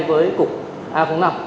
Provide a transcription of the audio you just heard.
với cục a năm